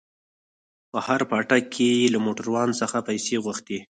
په هر پاټک کښې يې له موټروان څخه پيسې غوښتې.